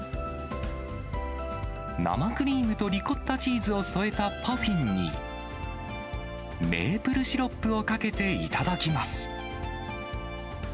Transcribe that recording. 生クリームとリコッタチーズを添えたパフィンに、メープルシロップをかけて頂きます。